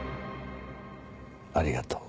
ありがとう。